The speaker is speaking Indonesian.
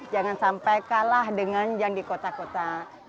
jangan sampai kalah dengan yang di kota kota